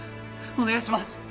お願いします！